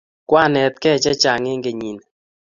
Kwanetke chechang' eng' kenyini.